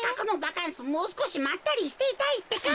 もうすこしまったりしていたいってか。